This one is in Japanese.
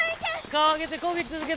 顔上げてこぎ続け